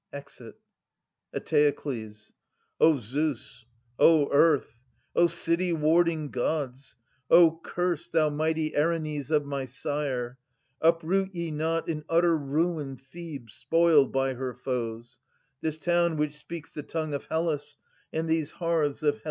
\Ex%U Eteokles. O Zeus, O Earth, O city warding Gods, O Curse, thou mighty Erinnys of my sire, 70 Uproot ye not in utter ruin Thebes Spoiled by her foes — this town which speaks the tongue Of Hellas, and these hearths of Hellene homes